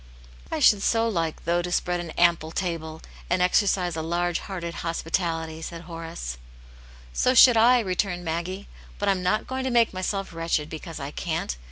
" I should so like, though, to si^t^^.d ^.tw ^.xsc^^ Ii6 Atmt yane^s Hero. table and exercise a large hearted hospitality," said Horace. "So should I," returned Maggie, "but I'm not going to make myself wretched because I can't.